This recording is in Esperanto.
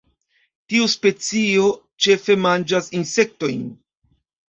Tiu specio ĉefe manĝas insektojn.